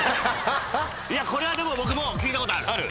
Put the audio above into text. いやこれはでも僕も聞いたことある。